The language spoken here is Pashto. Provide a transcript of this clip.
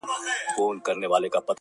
o هېره دي وعده د لطافت او د عطا نسي,